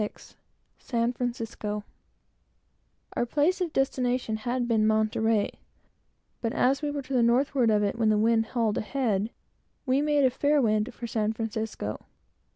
CHAPTER XXVI SAN FRANCISCO MONTEREY Our place of destination had been Monterey, but as we were to the northward of it when the wind hauled a head, we made a fair wind for San Francisco.